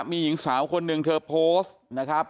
มีหญิงสาวคนหนึ่งเธอโพสต์นะครับ